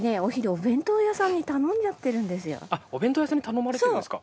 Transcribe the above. お弁当屋さんに頼まれてるんですか。